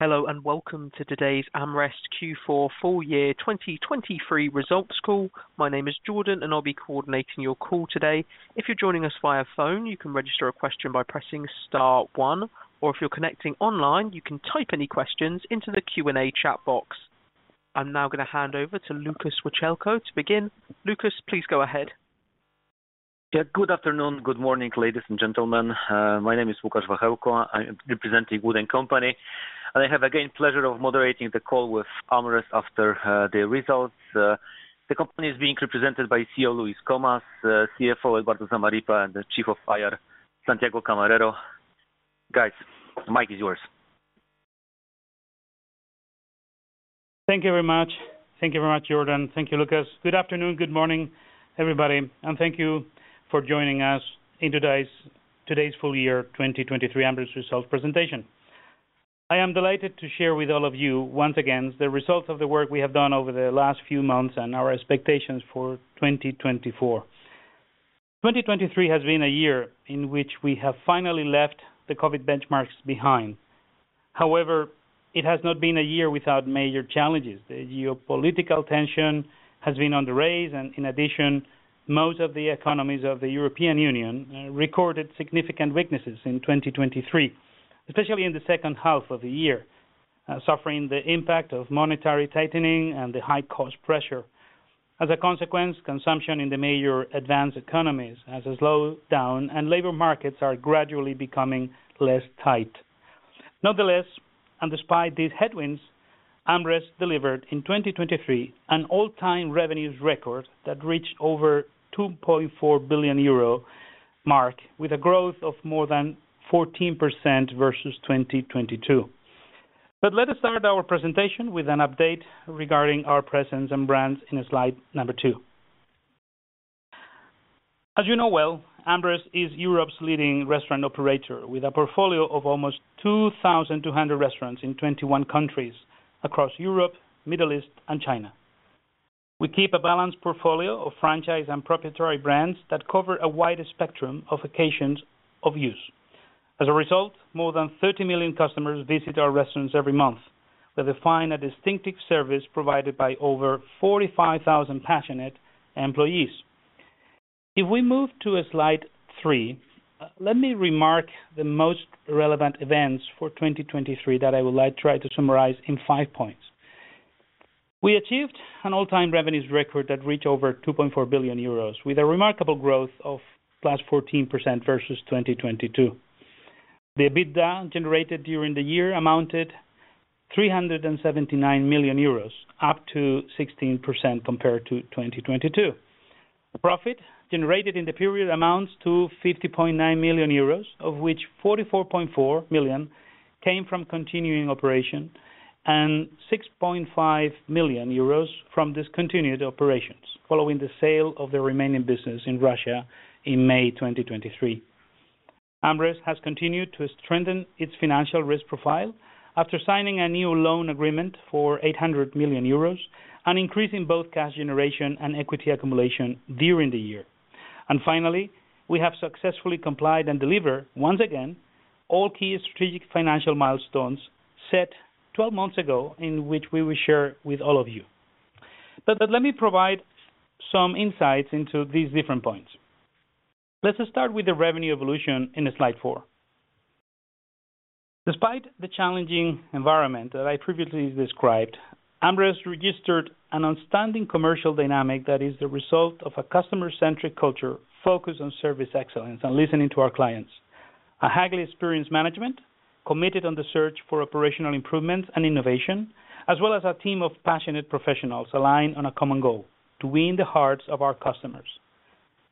Hello and welcome to today's AmRest Q4 full year 2023 results call. My name is Jordan and I'll be coordinating your call today. If you're joining us via phone, you can register a question by pressing star one, or if you're connecting online, you can type any questions into the Q&A chat box. I'm now going to hand over to Łukasz Wachełko to begin. Łukasz, please go ahead. Yeah, good afternoon, good morning, ladies and gentlemen. My name is Łukasz Wachełko, I'm representing WOOD & Company, and I have again the pleasure of moderating the call with AmRest after the results. The company is being represented by CEO Luis Comas, CFO Eduardo Zamarripa, and the Chief of IR Santiago Camarero. Guys, the mic is yours. Thank you very much. Thank you very much, Jordan. Thank you, Łukasz. Good afternoon, good morning, everybody, and thank you for joining us in today's full year 2023 AmRest results presentation. I am delighted to share with all of you once again the results of the work we have done over the last few months and our expectations for 2024. 2023 has been a year in which we have finally left the COVID benchmarks behind. However, it has not been a year without major challenges. The geopolitical tension has been on the rise, and in addition, most of the economies of the European Union recorded significant weaknesses in 2023, especially in the second half of the year, suffering the impact of monetary tightening and the high cost pressure. As a consequence, consumption in the major advanced economies has slowed down and labor markets are gradually becoming less tight. Nonetheless, and despite these headwinds, AmRest delivered in 2023 an all-time revenues record that reached over 2.4 billion euro mark, with a growth of more than 14% versus 2022. But let us start our presentation with an update regarding our presence and brands in slide number two. As you know well, AmRest is Europe's leading restaurant operator with a portfolio of almost 2,200 restaurants in 21 countries across Europe, the Middle East, and China. We keep a balanced portfolio of franchise and proprietary brands that cover a wider spectrum of occasions of use. As a result, more than 30 million customers visit our restaurants every month, where they find a distinctive service provided by over 45,000 passionate employees. If we move to slide three, let me remark the most relevant events for 2023 that I would like to try to summarize in five points. We achieved an all-time revenues record that reached over 2.4 billion euros, with a remarkable growth of +14% versus 2022. The EBITDA generated during the year amounted to 379 million euros, up to 16% compared to 2022. Profit generated in the period amounts to 50.9 million euros, of which 44.4 million came from continuing operation and 6.5 million euros from discontinued operations, following the sale of the remaining business in Russia in May 2023. AmRest has continued to strengthen its financial risk profile after signing a new loan agreement for 800 million euros and increasing both cash generation and equity accumulation during the year. Finally, we have successfully complied and delivered, once again, all key strategic financial milestones set 12 months ago in which we will share with all of you. Let me provide some insights into these different points. Let's start with the revenue evolution in slide four. Despite the challenging environment that I previously described, AmRest registered an outstanding commercial dynamic that is the result of a customer-centric culture focused on service excellence and listening to our clients, a highly experienced management committed on the search for operational improvements and innovation, as well as a team of passionate professionals aligned on a common goal: to win the hearts of our customers.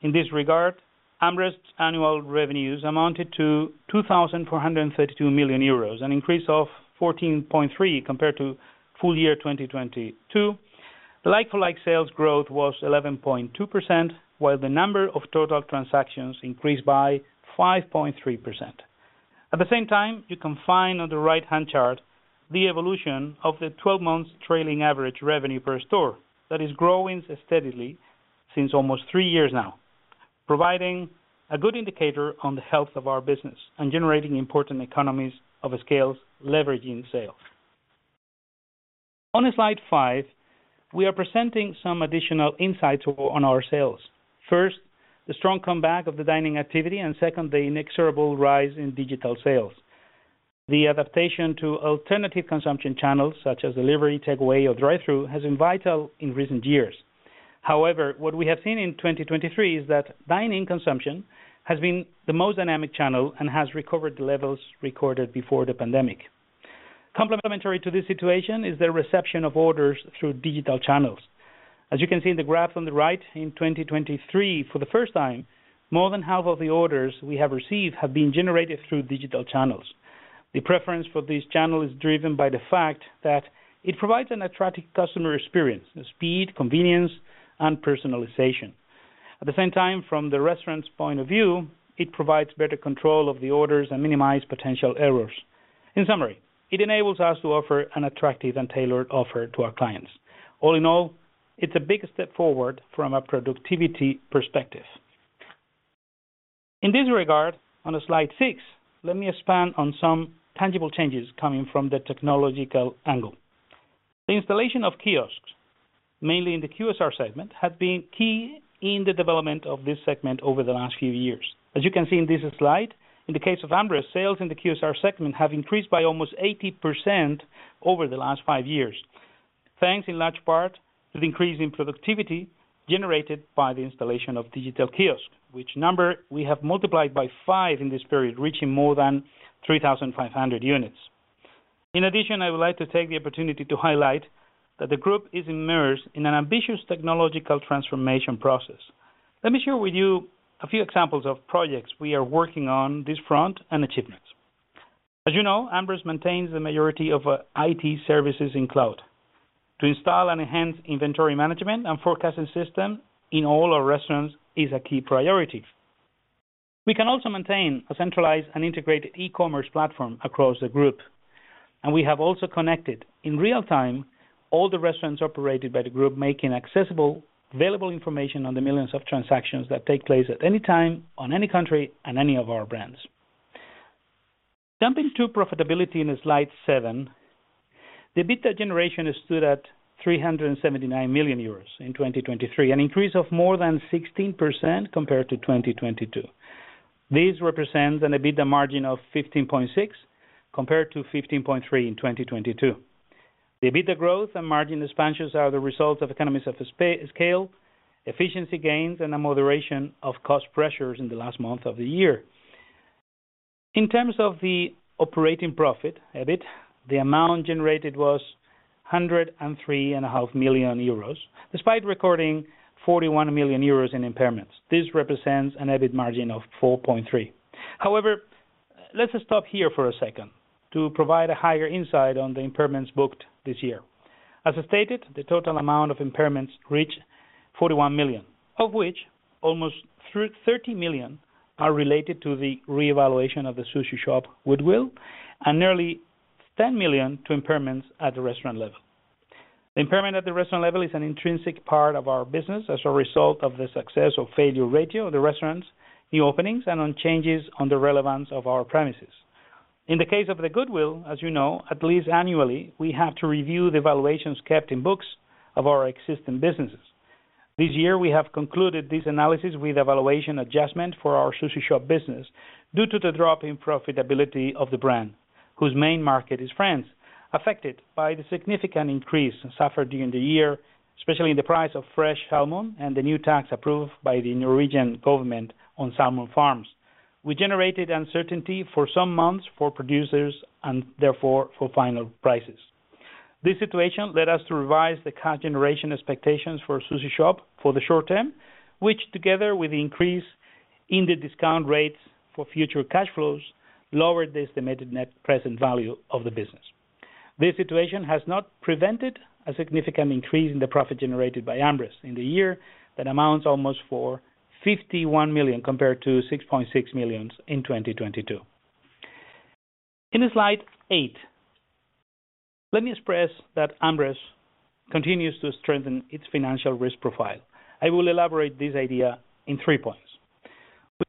In this regard, AmRest's annual revenues amounted to 2,432 million euros, an increase of 14.3% compared to full-year 2022. Like-for-like sales growth was 11.2%, while the number of total transactions increased by 5.3%. At the same time, you can find on the right-hand chart the evolution of the 12-month trailing average revenue per store that is growing steadily since almost three years now, providing a good indicator on the health of our business and generating important economies of scale leveraging sales. On slide five, we are presenting some additional insights on our sales. First, the strong comeback of the dining activity, and second, the inexorable rise in digital sales. The adaptation to alternative consumption channels such as delivery, takeaway, or drive-thru has been vital in recent years. However, what we have seen in 2023 is that dining consumption has been the most dynamic channel and has recovered the levels recorded before the pandemic. Complementary to this situation is the reception of orders through digital channels. As you can see in the graph on the right, in 2023, for the first time, more than half of the orders we have received have been generated through digital channels. The preference for this channel is driven by the fact that it provides an attractive customer experience: speed, convenience, and personalization. At the same time, from the restaurant's point of view, it provides better control of the orders and minimizes potential errors. In summary, it enables us to offer an attractive and tailored offer to our clients. All in all, it's a big step forward from a productivity perspective. In this regard, on slide six, let me expand on some tangible changes coming from the technological angle. The installation of kiosks, mainly in the QSR segment, has been key in the development of this segment over the last few years. As you can see in this slide, in the case of AmRest, sales in the QSR segment have increased by almost 80% over the last five years, thanks in large part to the increase in productivity generated by the installation of digital kiosks, which number we have multiplied by five in this period, reaching more than 3,500 units. In addition, I would like to take the opportunity to highlight that the group is immersed in an ambitious technological transformation process. Let me share with you a few examples of projects we are working on this front and achievements. As you know, AmRest maintains the majority of IT services in cloud. To install and enhance inventory management and forecasting systems in all our restaurants is a key priority. We can also maintain a centralized and integrated e-commerce platform across the group, and we have also connected in real-time all the restaurants operated by the group, making accessible available information on the millions of transactions that take place at any time, on any country, and any of our brands. Jumping to profitability in slide seven, the EBITDA generation stood at 379 million euros in 2023, an increase of more than 16% compared to 2022. This represents an EBITDA margin of 15.6% compared to 15.3% in 2022. The EBITDA growth and margin expansions are the results of economies of scale, efficiency gains, and a moderation of cost pressures in the last month of the year. In terms of the operating profit EBIT, the amount generated was 103.5 million euros, despite recording 41 million euros in impairments. This represents an EBIT margin of 4.3%. However, let's stop here for a second to provide a higher insight on the impairments booked this year. As stated, the total amount of impairments reached 41 million, of which almost 30 million are related to the reevaluation of the Sushi Shop goodwill and nearly 10 million to impairments at the restaurant level. The impairment at the restaurant level is an intrinsic part of our business as a result of the success or failure ratio of the restaurants, new openings, and on changes on the relevance of our premises. In the case of the goodwill, as you know, at least annually, we have to review the valuations kept in books of our existing businesses. This year, we have concluded this analysis with evaluation adjustment for our Sushi Shop business due to the drop in profitability of the brand, whose main market is France, affected by the significant increase suffered during the year, especially in the price of fresh salmon and the new tax approved by the Norwegian government on salmon farms, which generated uncertainty for some months for producers and therefore for final prices. This situation led us to revise the cash generation expectations for Sushi Shop for the short term, which, together with the increase in the discount rates for future cash flows, lowered the estimated net present value of the business. This situation has not prevented a significant increase in the profit generated by AmRest in the year that amounts to almost 51 million compared to 6.6 million in 2022. In slide eight, let me express that AmRest continues to strengthen its financial risk profile. I will elaborate this idea in three points.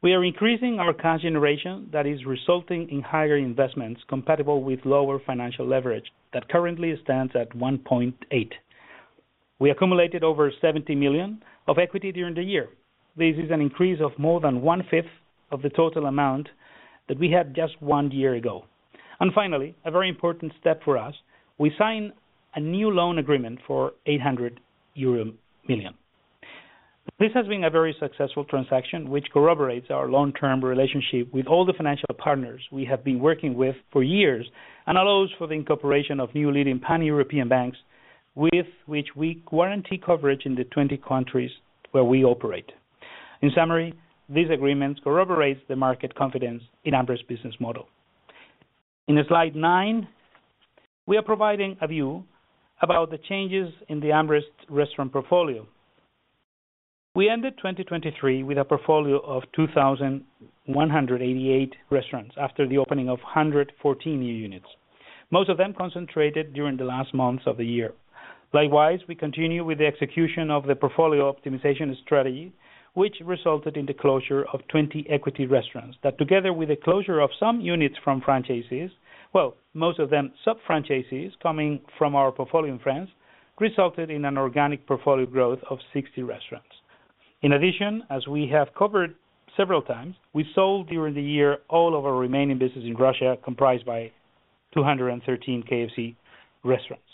We are increasing our cash generation that is resulting in higher investments compatible with lower financial leverage that currently stands at 1.8%. We accumulated over 70 million of equity during the year. This is an increase of more than 1/5 of the total amount that we had just one year ago. And finally, a very important step for us, we signed a new loan agreement for 800 million euro. This has been a very successful transaction, which corroborates our long-term relationship with all the financial partners we have been working with for years and allows for the incorporation of new leading pan-European banks with which we guarantee coverage in the 20 countries where we operate. In summary, this agreement corroborates the market confidence in AmRest's business model. In slide nine, we are providing a view about the changes in the AmRest restaurant portfolio. We ended 2023 with a portfolio of 2,188 restaurants after the opening of 114 new units, most of them concentrated during the last months of the year. Likewise, we continue with the execution of the portfolio optimization strategy, which resulted in the closure of 20 equity restaurants that, together with the closure of some units from franchises well, most of them sub-franchises coming from our portfolio in France, resulted in an organic portfolio growth of 60 restaurants. In addition, as we have covered several times, we sold during the year all of our remaining business in Russia, comprised by 213 KFC restaurants.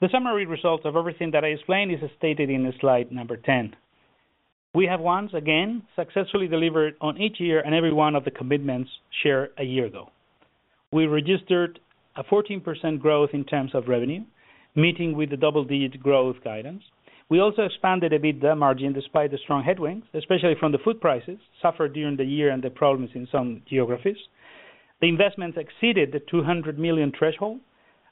The summary results of everything that I explained is stated in slide number 10. We have once again successfully delivered on each year and every one of the commitments shared a year ago. We registered a 14% growth in terms of revenue, meeting with the double-digit growth guidance. We also expanded EBITDA margin despite the strong headwinds, especially from the food prices suffered during the year and the problems in some geographies. The investments exceeded the 200 million threshold,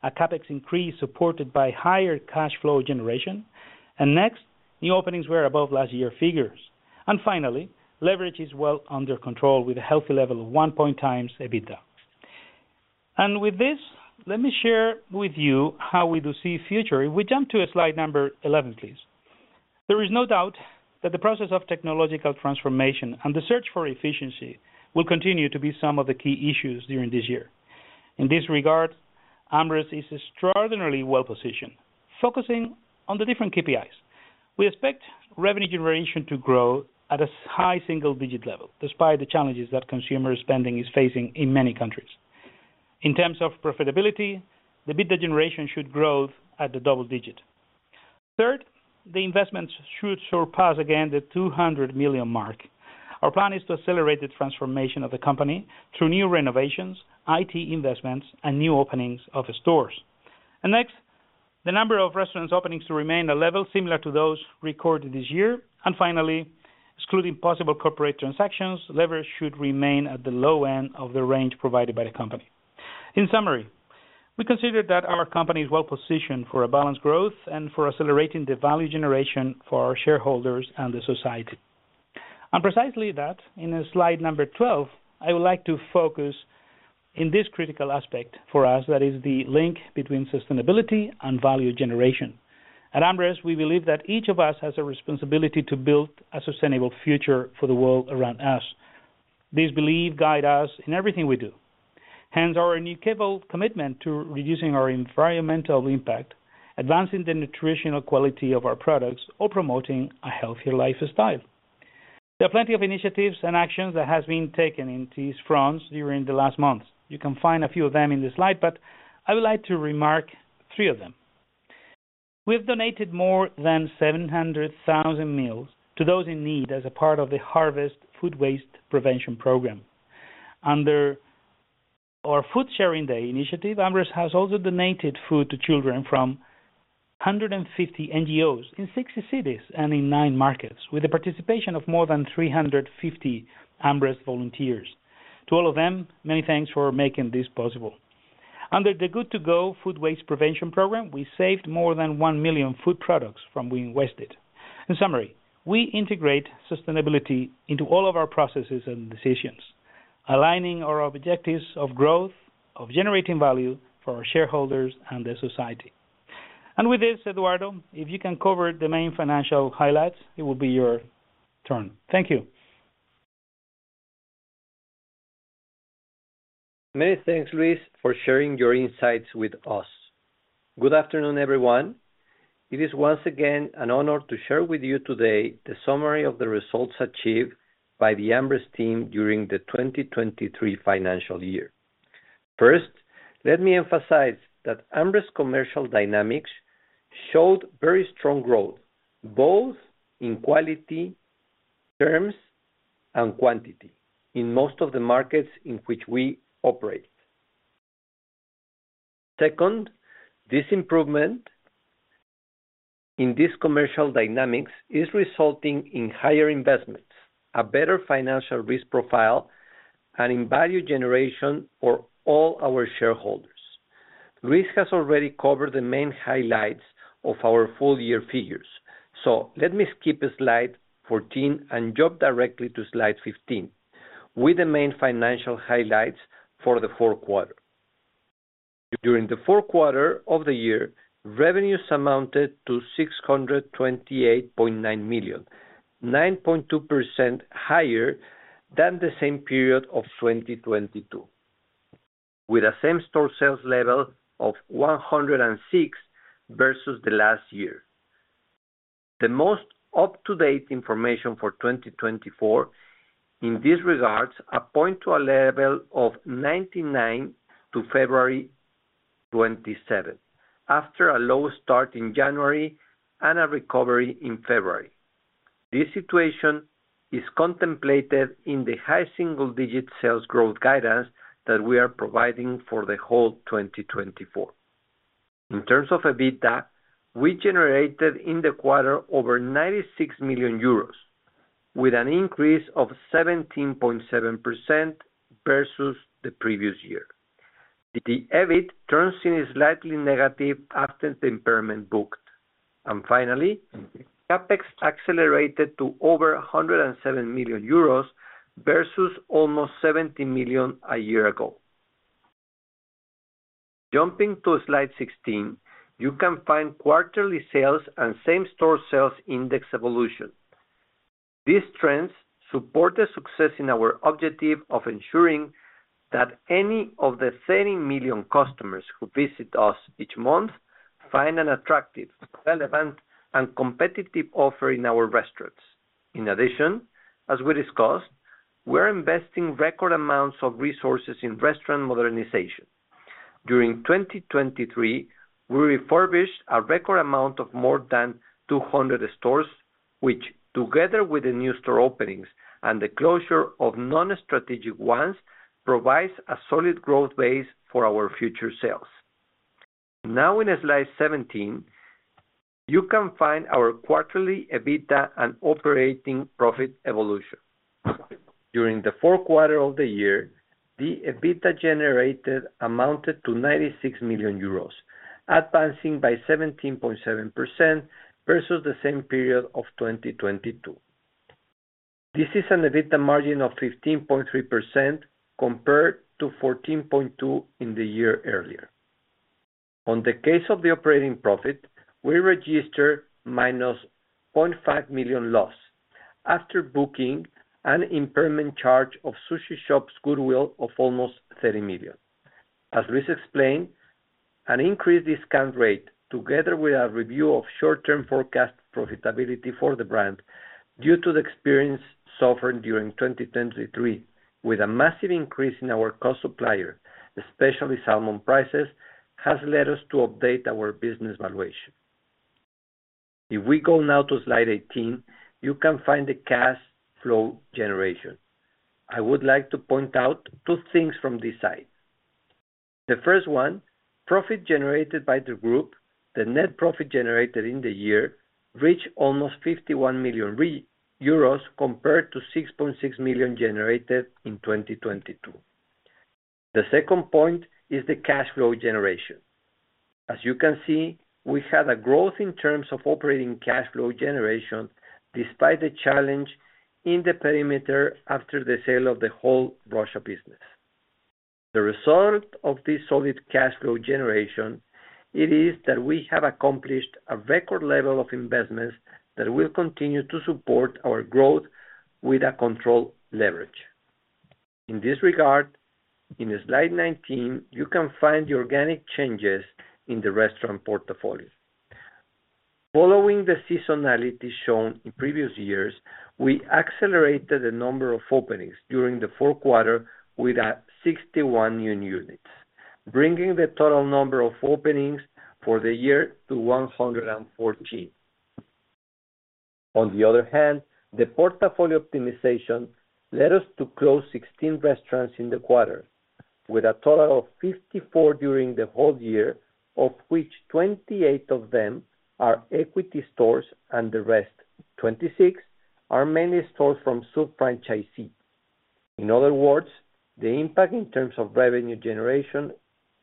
a CapEx increase supported by higher cash flow generation, and next, new openings were above last year's figures. Finally, leverage is well under control with a healthy level of 1.0x EBITDA. With this, let me share with you how we do see future. If we jump to slide number 11, please. There is no doubt that the process of technological transformation and the search for efficiency will continue to be some of the key issues during this year. In this regard, AmRest is extraordinarily well-positioned, focusing on the different KPIs. We expect revenue generation to grow at a high single-digit level, despite the challenges that consumer spending is facing in many countries. In terms of profitability, the EBITDA generation should grow at the double digit. Third, the investments should surpass again the 200 million mark. Our plan is to accelerate the transformation of the company through new renovations, IT investments, and new openings of stores. Next, the number of restaurants' openings will remain at a level similar to those recorded this year. Finally, excluding possible corporate transactions, leverage should remain at the low end of the range provided by the company. In summary, we consider that our company is well-positioned for a balanced growth and for accelerating the value generation for our shareholders and the society. Precisely that, in slide number 12, I would like to focus on this critical aspect for us that is the link between sustainability and value generation. At AmRest, we believe that each of us has a responsibility to build a sustainable future for the world around us. This belief guides us in everything we do. Hence, our unique commitment to reducing our environmental impact, advancing the nutritional quality of our products, or promoting a healthier lifestyle. There are plenty of initiatives and actions that have been taken in these fronts during the last months. You can find a few of them in the slide, but I would like to remark three of them. We have donated more than 700,000 meals to those in need as a part of the Harvest food waste prevention program. Under our Food Sharing Day initiative, AmRest has also donated food to children from 150 NGOs in 60 cities and in nine markets, with the participation of more than 350 AmRest volunteers. To all of them, many thanks for making this possible. Under the Too Good To Go food waste prevention program, we saved more than 1 million food products from being wasted. In summary, we integrate sustainability into all of our processes and decisions, aligning our objectives of growth, of generating value for our shareholders and the society. And with this, Eduardo, if you can cover the main financial highlights, it will be your turn. Thank you. Many thanks, Luis, for sharing your insights with us. Good afternoon, everyone. It is once again an honor to share with you today the summary of the results achieved by the AmRest team during the 2023 financial year. First, let me emphasize that AmRest's commercial dynamics showed very strong growth, both in quality terms and quantity, in most of the markets in which we operate. Second, this improvement in these commercial dynamics is resulting in higher investments, a better financial risk profile, and in value generation for all our shareholders. Luis has already covered the main highlights of our full-year figures, so let me skip slide 14 and jump directly to slide 15 with the main financial highlights for the fourth quarter. During the fourth quarter of the year, revenues amounted to 628.9 million, 9.2% higher than the same period of 2022, with the same store sales level of 106% versus the last year. The most up-to-date information for 2024 in this regard points to a level of 99% to February 27, after a low start in January and a recovery in February. This situation is contemplated in the high single-digit sales growth guidance that we are providing for the whole 2024. In terms of EBITDA, we generated in the quarter over 96 million euros, with an increase of 17.7% versus the previous year. The EBIT turns in slightly negative after the impairment booked. And finally, CapEx accelerated to over 107 million euros versus almost 70 million a year ago. Jumping to slide 16, you can find quarterly sales and same-store sales index evolution. These trends support the success in our objective of ensuring that any of the 30 million customers who visit us each month find an attractive, relevant, and competitive offer in our restaurants. In addition, as we discussed, we are investing record amounts of resources in restaurant modernization. During 2023, we refurbished a record amount of more than 200 stores, which, together with the new store openings and the closure of non-strategic ones, provides a solid growth base for our future sales. Now, in slide 17, you can find our quarterly EBITDA and operating profit evolution. During the fourth quarter of the year, the EBITDA generated amounted to 96 million euros, advancing by 17.7% versus the same period of 2022. This is an EBITDA margin of 15.3% compared to 14.2% in the year earlier. In the case of the operating profit, we registered minus 0.5 million loss after booking an impairment charge of Sushi Shop's goodwill of almost 30 million. As Luis explained, an increased discount rate together with a review of short-term forecast profitability for the brand due to the experience suffered during 2023, with a massive increase in our costs of supplies, especially salmon prices, has led us to update our business valuation. If we go now to slide 18, you can find the cash flow generation. I would like to point out two things from this side. The first one, profit generated by the group, the net profit generated in the year, reached almost 51 million euros compared to 6.6 million generated in 2022. The second point is the cash flow generation. As you can see, we had a growth in terms of operating cash flow generation despite the challenge in the perimeter after the sale of the whole Russia business. The result of this solid cash flow generation is that we have accomplished a record level of investments that will continue to support our growth with a controlled leverage. In this regard, in slide 19, you can find the organic changes in the restaurant portfolio. Following the seasonality shown in previous years, we accelerated the number of openings during the fourth quarter with 61 new units, bringing the total number of openings for the year to 114. On the other hand, the portfolio optimization led us to close 16 restaurants in the quarter, with a total of 54 during the whole year, of which 28 of them are equity stores and the rest 26 are mainly stores from sub-franchisees. In other words, the impact in terms of revenue generation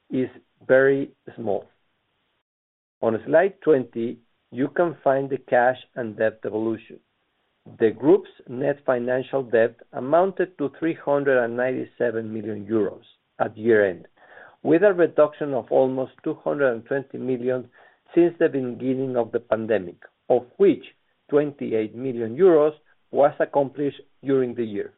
is very small. On slide 20, you can find the cash and debt evolution. The group's net financial debt amounted to 397 million euros at year-end, with a reduction of almost 220 million since the beginning of the pandemic, of which 28 million euros was accomplished during the year.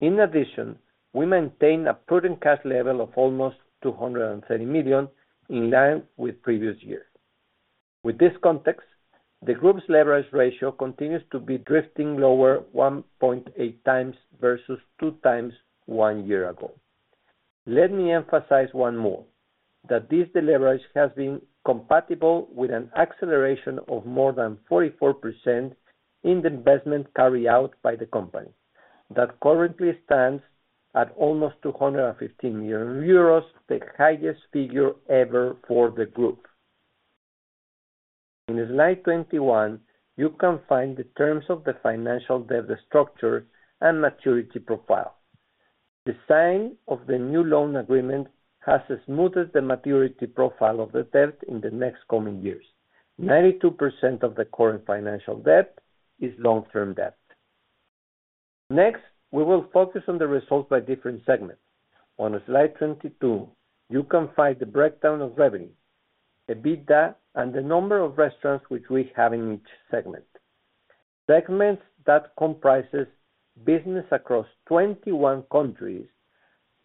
In addition, we maintained a prudent cash level of almost 230 million in line with previous years. With this context, the group's leverage ratio continues to be drifting lower 1.8x versus 2x one year ago. Let me emphasize one more, that this leverage has been compatible with an acceleration of more than 44% in the investment carried out by the company, that currently stands at almost 215 million euros, the highest figure ever for the group. In slide 21, you can find the terms of the financial debt structure and maturity profile. The signing of the new loan agreement has smoothed the maturity profile of the debt in the next coming years. 92% of the current financial debt is long-term debt. Next, we will focus on the results by different segments. On slide 22, you can find the breakdown of revenue, EBITDA, and the number of restaurants which we have in each segment. Segments that comprise business across 21 countries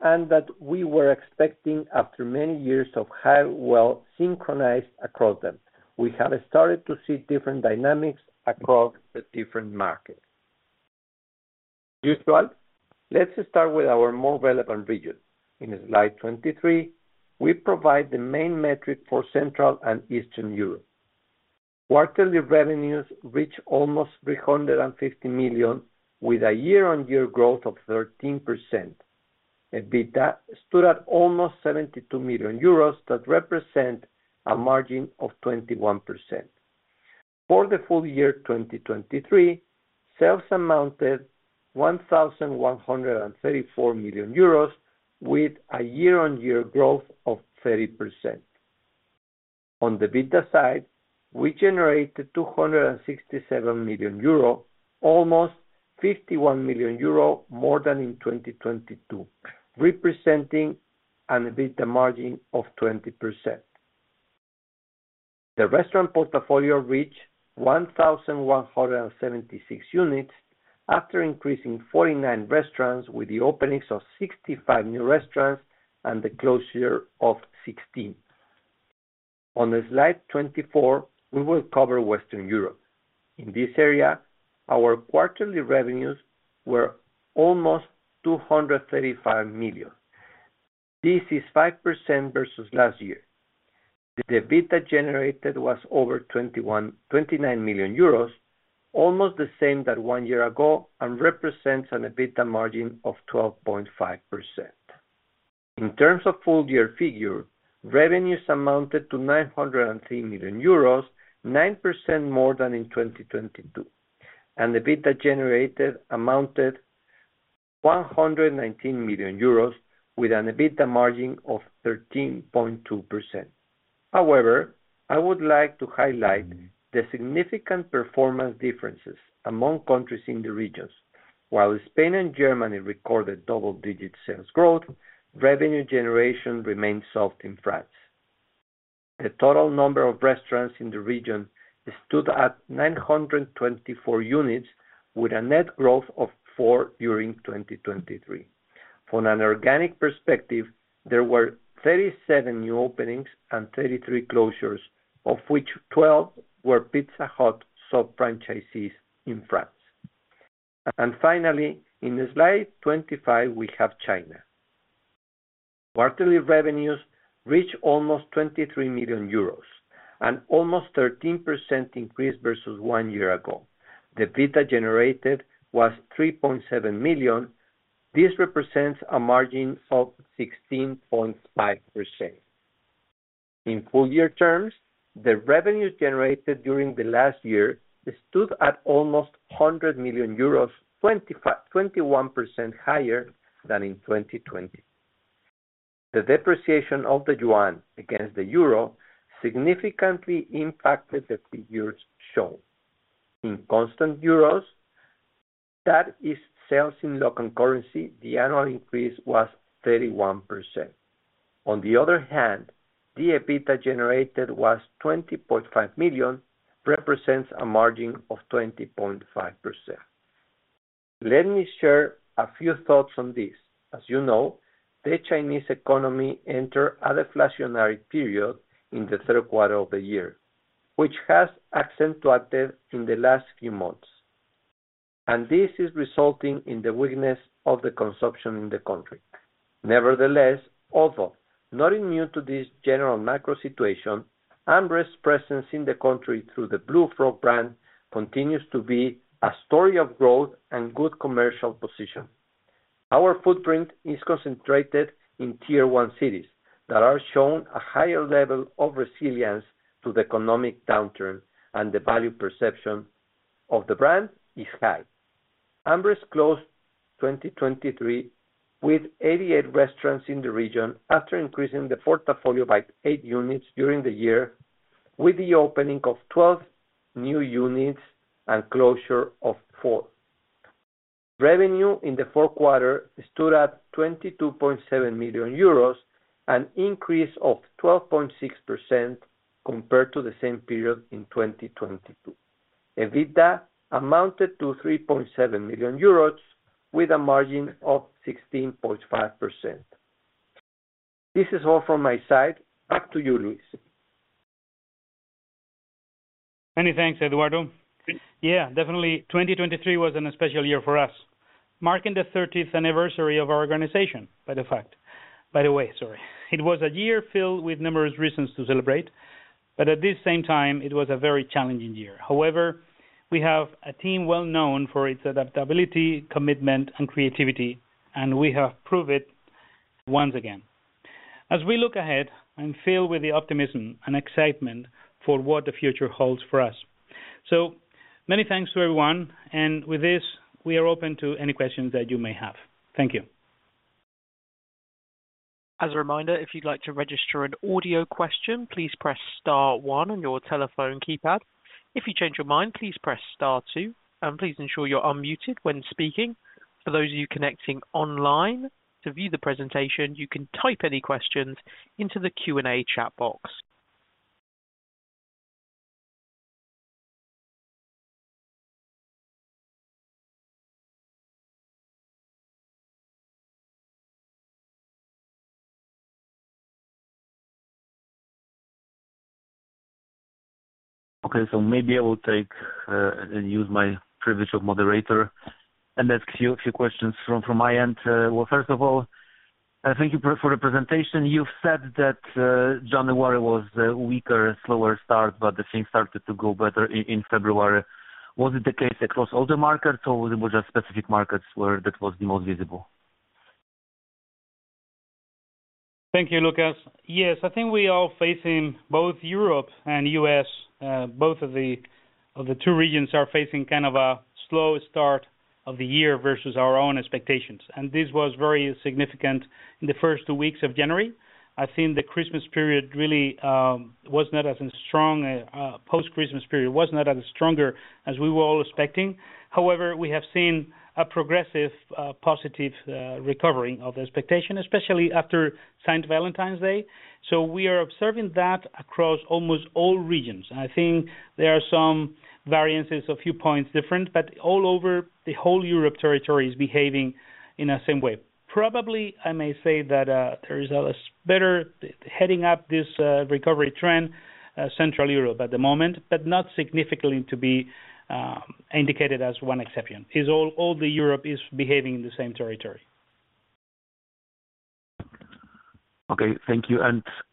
and that we were expecting after many years of highly synchronized across them. We have started to see different dynamics across the different markets. As usual, let's start with our more relevant region. In slide 23, we provide the main metric for Central and Eastern Europe. Quarterly revenues reached almost 350 million, with a year-on-year growth of 13%. EBITDA stood at almost 72 million euros that represents a margin of 21%. For the full-year 2023, sales amounted to 1,134 million euros, with a year-on-year growth of 30%. On the EBITDA side, we generated 267 million euro, almost 51 million euro more than in 2022, representing an EBITDA margin of 20%. The restaurant portfolio reached 1,176 units after increasing 49 restaurants, with the openings of 65 new restaurants and the closure of 16. On slide 24, we will cover Western Europe. In this area, our quarterly revenues were almost 235 million. This is 5% versus last year. The EBITDA generated was over 29 million euros, almost the same that one year ago, and represents an EBITDA margin of 12.5%. In terms of full-year figure, revenues amounted to 903 million euros, 9% more than in 2022, and EBITDA generated amounted to 119 million euros, with an EBITDA margin of 13.2%. However, I would like to highlight the significant performance differences among countries in the regions. While Spain and Germany recorded double-digit sales growth, revenue generation remained soft in France. The total number of restaurants in the region stood at 924 units, with a net growth of 4% during 2023. From an organic perspective, there were 37 new openings and 33 closures, of which 12 were Pizza Hut sub-franchisees in France. Finally, in slide 25, we have China. Quarterly revenues reached almost 23 million euros, an almost 13% increase versus one year ago. The EBITDA generated was 3.7 million. This represents a margin of 16.5%. In full-year terms, the revenues generated during the last year stood at almost 100 million euros, 21% higher than in 2020. The depreciation of the yuan against the euro significantly impacted the figures shown. In constant euros, that is, sales in local currency, the annual increase was 31%. On the other hand, the EBITDA generated was 20.5 million, representing a margin of 20.5%. Let me share a few thoughts on this. As you know, the Chinese economy entered a deflationary period in the third quarter of the year, which has accentuated in the last few months. This is resulting in the weakness of the consumption in the country. Nevertheless, although not immune to this general macro situation, AmRest's presence in the country through the Blue Frog brand continues to be a story of growth and good commercial position. Our footprint is concentrated in Tier 1 cities that are shown a higher level of resilience to the economic downturn, and the value perception of the brand is high. AmRest closed 2023 with 88 restaurants in the region after increasing the portfolio by eight units during the year, with the opening of 12 new units and closure of four. Revenue in the fourth quarter stood at 22.7 million euros, an increase of 12.6% compared to the same period in 2022. EBITDA amounted to 3.7 million euros, with a margin of 16.5%. This is all from my side. Back to you, Luis. Many thanks, Eduardo. Yeah, definitely. 2023 was a special year for us, marking the 30th anniversary of our organization. By the way, sorry. It was a year filled with numerous reasons to celebrate, but at the same time, it was a very challenging year. However, we have a team well-known for its adaptability, commitment, and creativity, and we have proved it once again. As we look ahead, I'm filled with optimism and excitement for what the future holds for us. So many thanks to everyone. With this, we are open to any questions that you may have. Thank you. As a reminder, if you'd like to register an audio question, please press star one on your telephone keypad. If you change your mind, please press star two. And please ensure you're unmuted when speaking. For those of you connecting online to view the presentation, you can type any questions into the Q&A chat box. Okay, so maybe I will take and use my privilege of moderator and ask a few questions from my end. Well, first of all, thank you for the presentation. You've said that January was a weaker, slower start, but the things started to go better in February. Was it the case across all the markets, or was it just specific markets where that was the most visible? Thank you, Łukasz. Yes, I think we are facing both Europe and U.S. Both of the two regions are facing kind of a slow start of the year versus our own expectations. This was very significant in the first two weeks of January. I think the Christmas period really was not as strong a post-Christmas period was not as stronger as we were all expecting. However, we have seen a progressive positive recovery of the expectation, especially after Saint Valentine's Day. We are observing that across almost all regions. I think there are some variances, a few points different, but all over the whole Europe territory is behaving in the same way. Probably, I may say that there is a better heading up this recovery trend, Central Europe at the moment, but not significantly to be indicated as one exception. All the Europe is behaving in the same territory. Okay, thank you.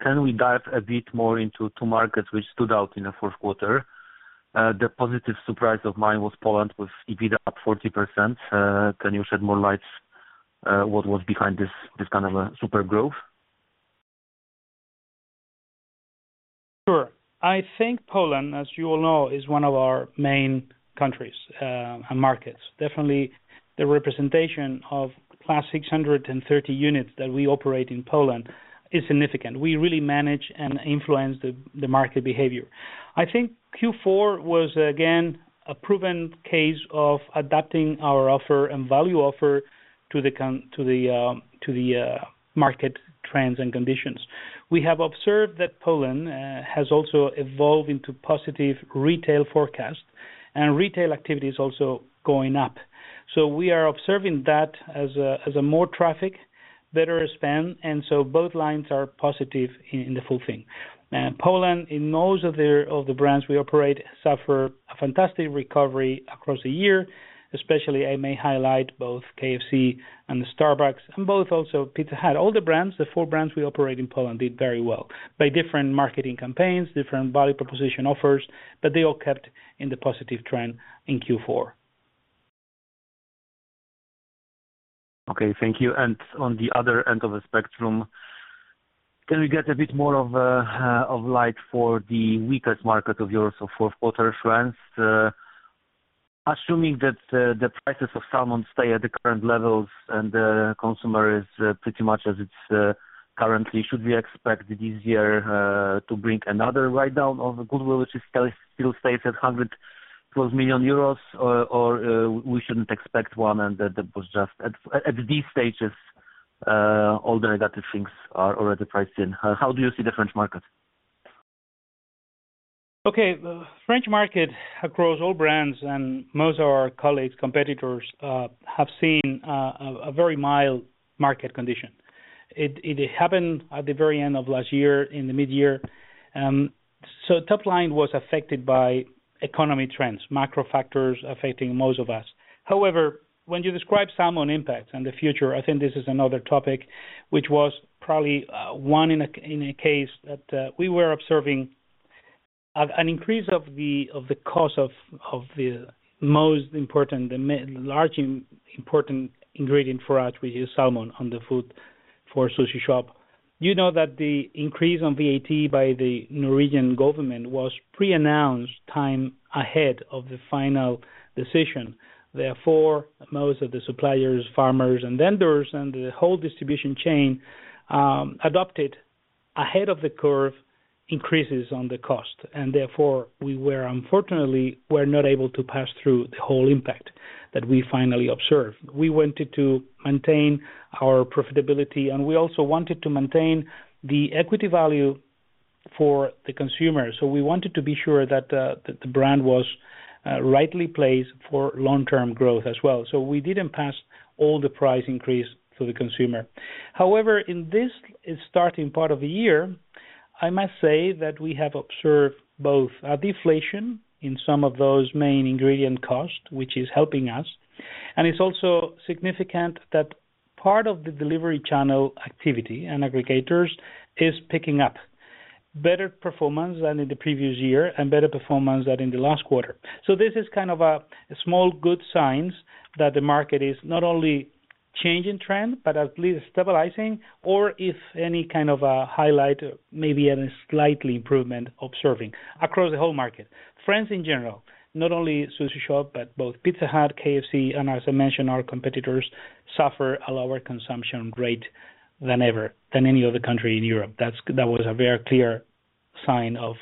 Can we dive a bit more into two markets which stood out in the fourth quarter? The positive surprise of mine was Poland with EBITDA up 40%. Can you shed more light on what was behind this kind of super growth? Sure. I think Poland, as you all know, is one of our main countries and markets. Definitely, the representation of close to 630 units that we operate in Poland is significant. We really manage and influence the market behavior. I think Q4 was, again, a proven case of adapting our offer and value offer to the market trends and conditions. We have observed that Poland has also evolved into positive retail forecast, and retail activity is also going up. So we are observing that as more traffic, better spend, and so both lines are positive in the full thing. Poland, in most of the brands we operate, suffered a fantastic recovery across the year. Especially, I may highlight both KFC and Starbucks, and both also Pizza Hut. All the brands, the four brands we operate in Poland, did very well by different marketing campaigns, different value proposition offers, but they all kept in the positive trend in Q4. Okay, thank you. And on the other end of the spectrum, can we get a bit more of light for the weakest market of yours, so fourth quarter, France? Assuming that the prices of salmon stay at the current levels and the consumer is pretty much as it's currently, should we expect this year to bring another write-down of the goodwill, which still stays at 112 million euros, or we shouldn't expect one and that was just at these stages, all the negative things are already priced in? How do you see the French market? Okay, the French market across all brands and most of our colleagues, competitors, have seen a very mild market condition. It happened at the very end of last year, in the mid-year. So top line was affected by economy trends, macro factors affecting most of us. However, when you describe salmon impacts and the future, I think this is another topic, which was probably one in a case that we were observing an increase of the cost of the most important, the largest important ingredient for us, which is salmon on the food for Sushi Shop. You know that the increase on VAT by the Norwegian government was pre-announced time ahead of the final decision. Therefore, most of the suppliers, farmers, and vendors, and the whole distribution chain adopted ahead-of-the-curve increases on the cost. Therefore, we were unfortunately not able to pass through the whole impact that we finally observed. We wanted to maintain our profitability, and we also wanted to maintain the equity value for the consumer. We wanted to be sure that the brand was rightly placed for long-term growth as well. We didn't pass all the price increase through the consumer. However, in this starting part of the year, I must say that we have observed both deflation in some of those main ingredient costs, which is helping us. It's also significant that part of the delivery channel activity and aggregators is picking up better performance than in the previous year and better performance than in the last quarter. So this is kind of a small good sign that the market is not only changing trend, but at least stabilizing, or if any kind of a highlight, maybe a slightly improvement observing across the whole market. France in general, not only Sushi Shop, but both Pizza Hut, KFC, and as I mentioned, our competitors suffer a lower consumption rate than ever, than any other country in Europe. That was a very clear sign of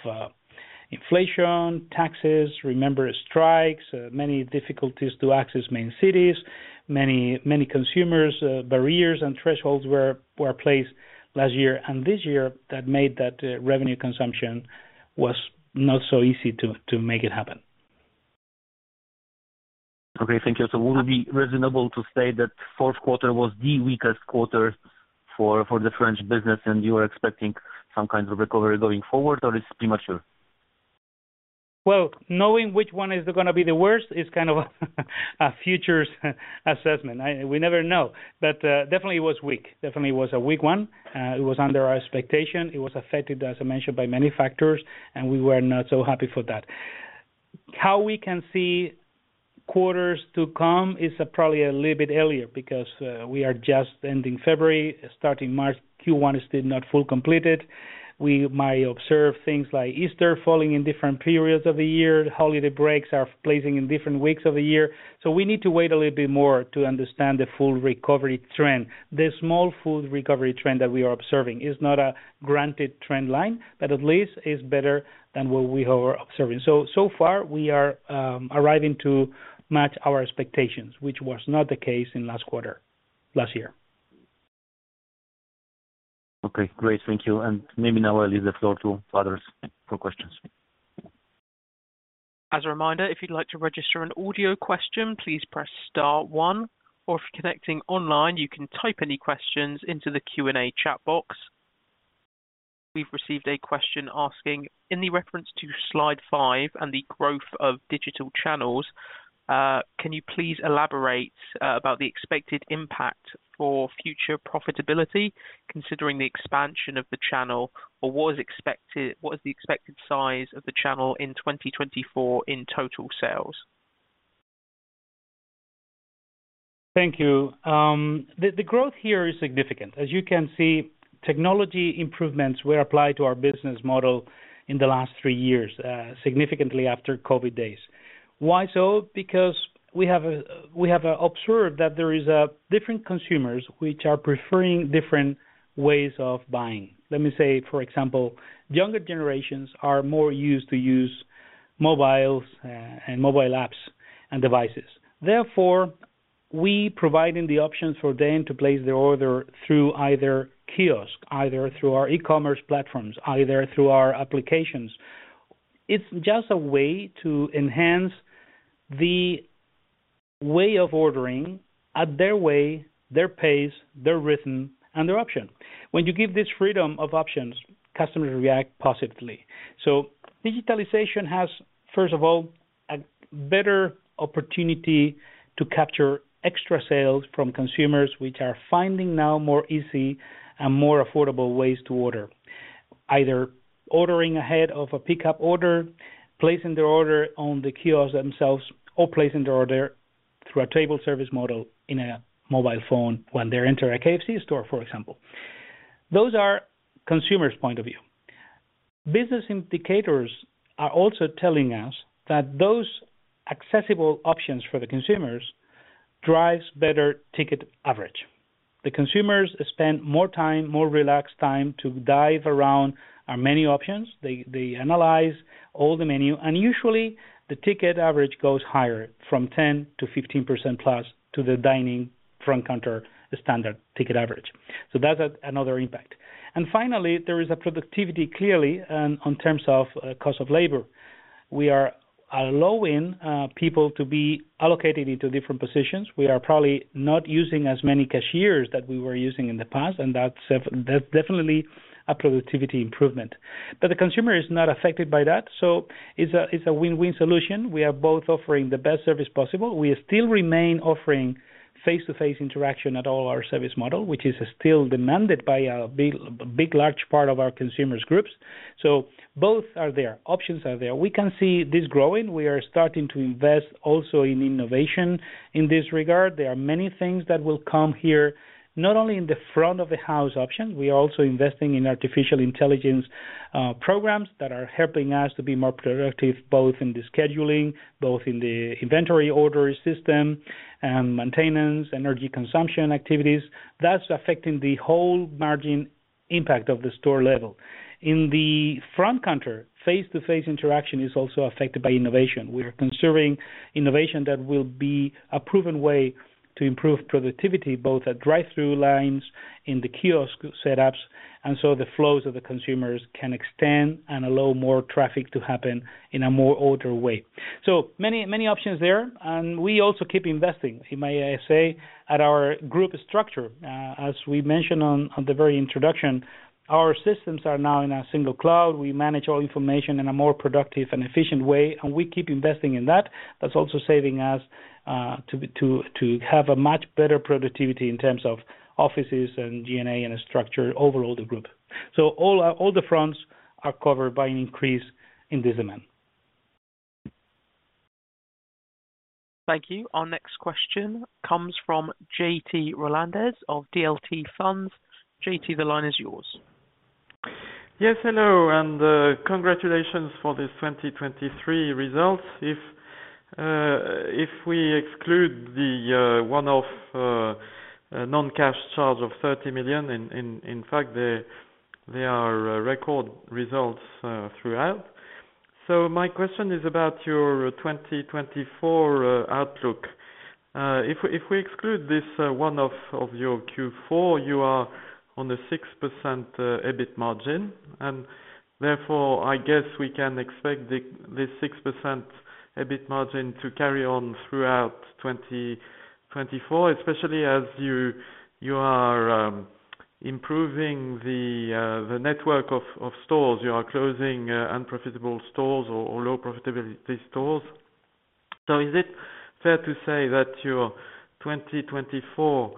inflation, taxes, remember, strikes, many difficulties to access main cities, many consumers, barriers, and thresholds were placed last year. And this year, that made that revenue consumption was not so easy to make it happen. Okay, thank you. So would it be reasonable to say that fourth quarter was the weakest quarter for the French business, and you were expecting some kind of recovery going forward, or it's premature? Well, knowing which one is going to be the worst is kind of a futures assessment. We never know. But definitely, it was weak. Definitely, it was a weak one. It was under our expectation. It was affected, as I mentioned, by many factors, and we were not so happy for that. How we can see quarters to come is probably a little bit earlier because we are just ending February, starting March. Q1 is still not fully completed. We might observe things like Easter falling in different periods of the year. Holiday breaks are placing in different weeks of the year. So we need to wait a little bit more to understand the full recovery trend. The small food recovery trend that we are observing is not a granted trend line, but at least it's better than what we are observing. So far, we are arriving to match our expectations, which was not the case in last quarter, last year. Okay, great. Thank you. And maybe now I'll leave the floor to others for questions. As a reminder, if you'd like to register an audio question, please press star one. Or if you're connecting online, you can type any questions into the Q&A chat box. We've received a question asking, "In the reference to slide five and the growth of digital channels, can you please elaborate about the expected impact for future profitability considering the expansion of the channel, or what is the expected size of the channel in 2024 in total sales?" Thank you. The growth here is significant. As you can see, technology improvements were applied to our business model in the last three years, significantly after COVID days. Why so? Because we have observed that there are different consumers which are preferring different ways of buying. Let me say, for example, younger generations are more used to using mobiles and mobile apps and devices. Therefore, we provide the options for them to place their order through either kiosk, either through our e-commerce platforms, either through our applications. It's just a way to enhance the way of ordering at their way, their pace, their rhythm, and their option. When you give this freedom of options, customers react positively. So digitalization has, first of all, a better opportunity to capture extra sales from consumers which are finding now more easy and more affordable ways to order, either ordering ahead of a pickup order, placing their order on the kiosk themselves, or placing their order through a table service model in a mobile phone when they enter a KFC store, for example. Those are consumers' points of view. Business indicators are also telling us that those accessible options for the consumers drive better ticket average. The consumers spend more time, more relaxed time to dive around our menu options. They analyze all the menu, and usually, the ticket average goes higher from 10% to 15%+ to the dining front-counter standard ticket average. So that's another impact. And finally, there is a productivity, clearly, in terms of cost of labor. We are allowing people to be allocated into different positions. We are probably not using as many cashiers as we were using in the past, and that's definitely a productivity improvement. But the consumer is not affected by that. So it's a win-win solution. We are both offering the best service possible. We still remain offering face-to-face interaction at all our service model, which is still demanded by a big, large part of our consumers' groups. So both are there. Options are there. We can see this growing. We are starting to invest also in innovation in this regard. There are many things that will come here, not only in the front-of-the-house options. We are also investing in artificial intelligence programs that are helping us to be more productive, both in the scheduling, both in the inventory order system, and maintenance, energy consumption activities. That's affecting the whole margin impact of the store level. In the front-counter, face-to-face interaction is also affected by innovation. We are considering innovation that will be a proven way to improve productivity, both at drive-through lines, in the kiosk setups, and so the flows of the consumers can extend and allow more traffic to happen in a more ordered way. So many options there. And we also keep investing, you may say, at our group structure. As we mentioned on the very introduction, our systems are now in a single cloud. We manage all information in a more productive and efficient way, and we keep investing in that. That's also saving us to have a much better productivity in terms of offices and G&A and a structure overall, the group. So all the fronts are covered by an increase in this demand. Thank you. Our next question comes from J.P. Rolandez of The LT Funds. J.P., the line is yours. Yes, hello, and congratulations for this 2023 results. If we exclude the one-off non-cash charge of 30 million, in fact, there are record results throughout. So my question is about your 2024 outlook. If we exclude this one-off of your Q4, you are on a 6% EBIT margin. And therefore, I guess we can expect this 6% EBIT margin to carry on throughout 2024, especially as you are improving the network of stores. You are closing unprofitable stores or low-profitability stores. So is it fair to say that your 2024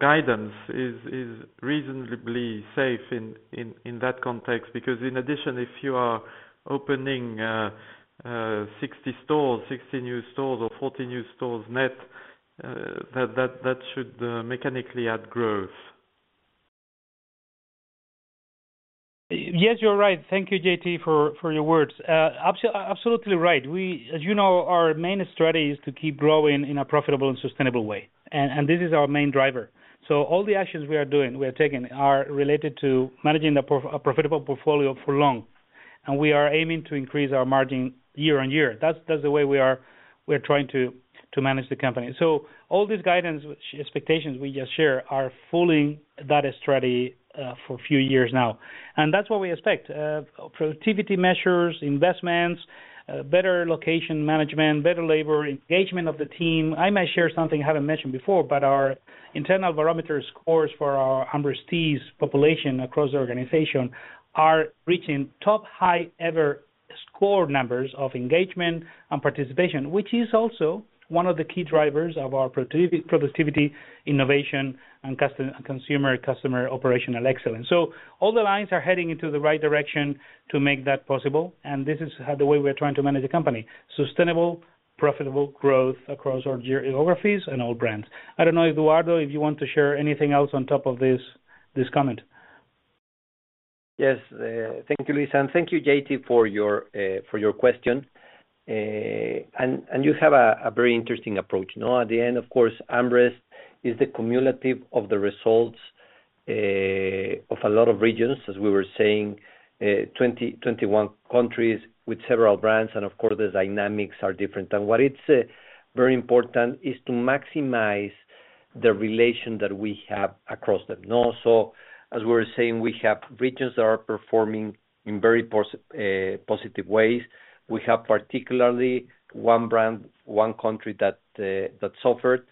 guidance is reasonably safe in that context? Because in addition, if you are opening 60 stores, 60 new stores, or 40 new stores net, that should mechanically add growth. Yes, you're right. Thank you, J.P., for your words. Absolutely right. As you know, our main strategy is to keep growing in a profitable and sustainable way, and this is our main driver. So all the actions we are doing, we are taking, are related to managing a profitable portfolio for long. And we are aiming to increase our margin year on year. That's the way we are trying to manage the company. So all these guidance expectations we just share are following that strategy for a few years now. And that's what we expect: productivity measures, investments, better location management, better labor engagement of the team. I may share something I haven't mentioned before, but our internal barometer scores for our AmRest-based population across the organization are reaching top high-ever score numbers of engagement and participation, which is also one of the key drivers of our productivity, innovation, and consumer operational excellence. So all the lines are heading into the right direction to make that possible. This is the way we are trying to manage the company: sustainable, profitable growth across our geographies and all brands. I don't know, Eduardo, if you want to share anything else on top of this comment. Yes, thank you, Luis. Thank you, J.P., for your question. You have a very interesting approach. At the end, of course, AmRest is the cumulative of the results of a lot of regions, as we were saying, 2021 countries with several brands. Of course, the dynamics are different. What is very important is to maximize the relation that we have across them. As we were saying, we have regions that are performing in very positive ways. We have particularly one brand, one country that suffered.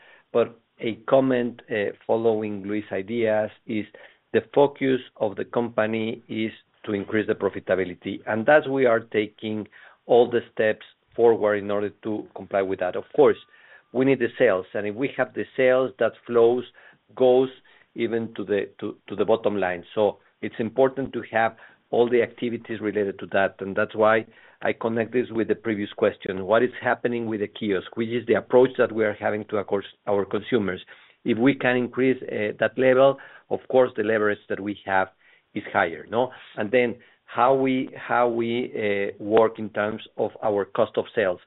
A comment following Luis' ideas is the focus of the company is to increase the profitability. That's where we are taking all the steps forward in order to comply with that. Of course, we need the sales. If we have the sales, that flow goes even to the bottom line. It's important to have all the activities related to that. That's why I connect this with the previous question: what is happening with the kiosk, which is the approach that we are having to our consumers? If we can increase that level, of course, the leverage that we have is higher. Then how we work in terms of our cost of sales.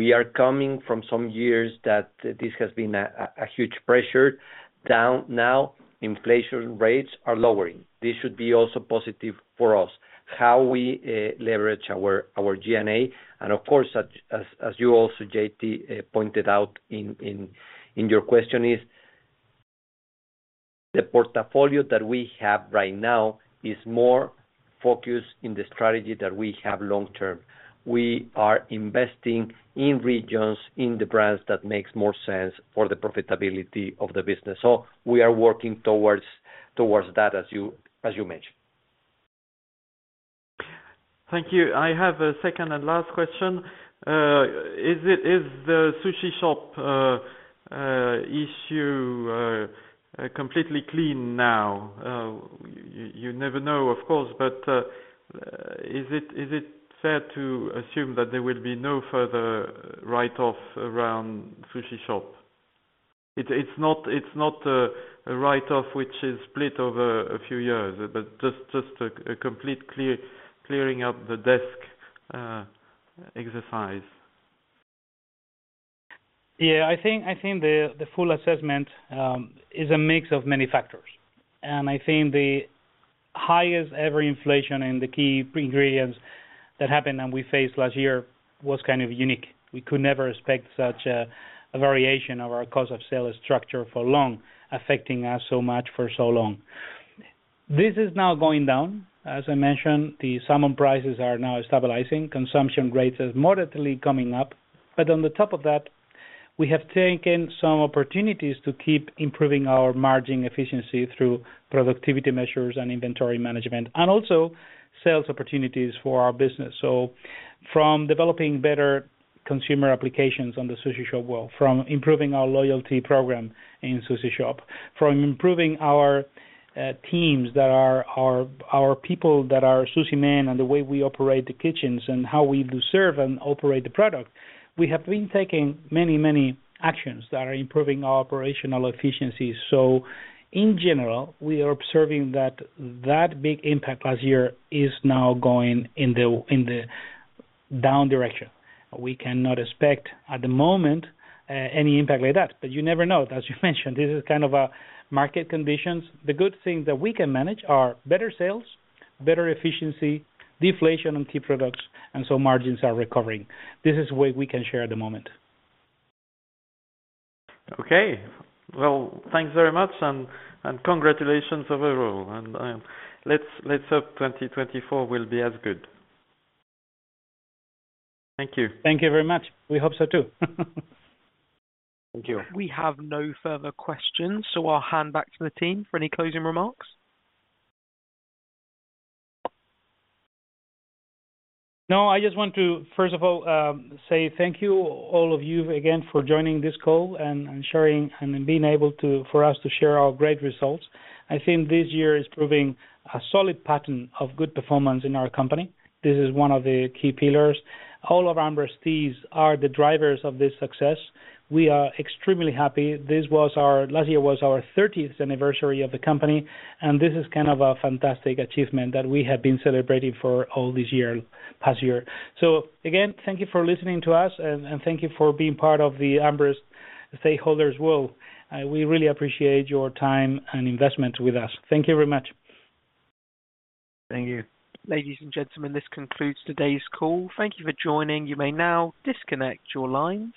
We are coming from some years that this has been a huge pressure. Down now, inflation rates are lowering. This should be also positive for us, how we leverage our G&A. Of course, as you also, J.P., pointed out in your question, the portfolio that we have right now is more focused on the strategy that we have long-term. We are investing in regions, in the brands that make more sense for the profitability of the business. So we are working towards that, as you mentioned. Thank you. I have a second and last question. Is the Sushi Shop issue completely clean now? You never know, of course. But is it fair to assume that there will be no further write-off around Sushi Shop? It's not a write-off which is split over a few years, but just a complete clearing-up the desk exercise. Yeah, I think the full assessment is a mix of many factors. And I think the highest-ever inflation in the key ingredients that happened and we faced last year was kind of unique. We could never expect such a variation of our cost of sales structure for long, affecting us so much for so long. This is now going down. As I mentioned, the salmon prices are now stabilizing. Consumption rate is moderately coming up. But on the top of that, we have taken some opportunities to keep improving our margin efficiency through productivity measures and inventory management, and also sales opportunities for our business. So from developing better consumer applications on the Sushi Shop world, from improving our loyalty program in Sushi Shop, from improving our teams that are our people that are sushi men and the way we operate the kitchens and how we do serve and operate the product, we have been taking many, many actions that are improving our operational efficiency. So in general, we are observing that that big impact last year is now going in the down direction. We cannot expect, at the moment, any impact like that. But you never know, as you mentioned. This is kind of a market conditions. The good things that we can manage are better sales, better efficiency, deflation on key products, and so margins are recovering. This is the way we can share at the moment. Okay. Well, thanks very much and congratulations overall. And let's hope 2024 will be as good. Thank you. Thank you very much. We hope so too. Thank you. We have no further questions. So I'll hand back to the team for any closing remarks. No, I just want to, first of all, say thank you, all of you, again, for joining this call and sharing and being able for us to share our great results. I think this year is proving a solid pattern of good performance in our company. This is one of the key pillars. All of our restaurants are the drivers of this success. We are extremely happy. Last year was our 30th anniversary of the company, and this is kind of a fantastic achievement that we have been celebrating for all this past year. So again, thank you for listening to us, and thank you for being part of the AmRest stakeholders' world. We really appreciate your time and investment with us. Thank you very much. Thank you. Ladies and gentlemen, this concludes today's call. Thank you for joining. You may now disconnect your lines.